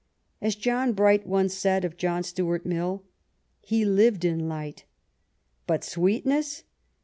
As John Bright once said of John Stuart Mill, " he lived in light." But sweetness